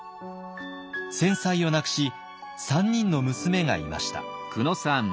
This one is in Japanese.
先妻を亡くし３人の娘がいました。